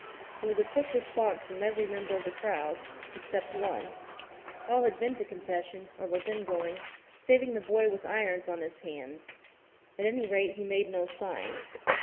There was a quick response from every member of the crowd — except one. All had been to confession, or were then going, saving the boy with irons on his hands. At any rate, he made no sign.